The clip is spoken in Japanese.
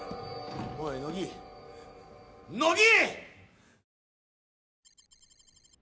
おい乃木乃木！